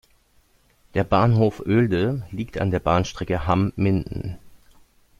Der "Bahnhof Oelde" liegt an der Bahnstrecke Hamm–Minden.